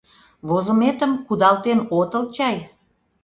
Возыметым кудалтен отыл чай?